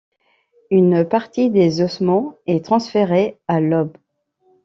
Une partie des ossements est transférée à Lobbes.